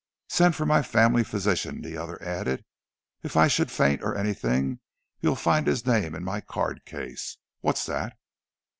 "Send for my family physician," the other added. "If I should faint, or anything, you'll find his name in my card case. What's that?"